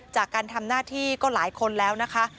จากการทำหน้าที่ก็หลายคนแล้วนะคะ